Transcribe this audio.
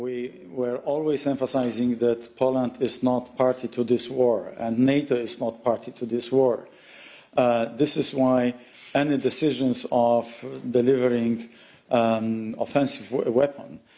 ini adalah sebabnya pemutusan untuk mengirimkan pesawat pesawat yang menyerang